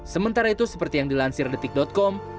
sementara itu seperti yang dilansir di tik com